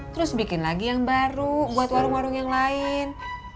terus bikin lagi yang baru buat warung warung yang lain